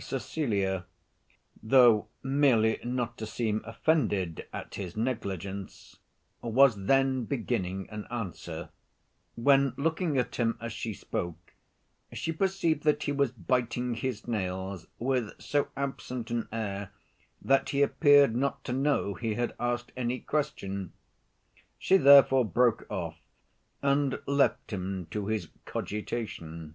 Cecilia, though merely not to seem offended at his negligence, was then beginning an answer, when looking at him as she spoke, she perceived that he was biting his nails with so absent an air that he appeared not to know he had asked any question. She therefore broke off, and left him to his cogitation.